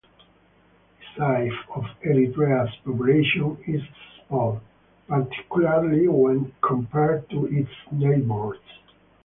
The size of Eritrea's population is small, particularly when compared to its neighbors.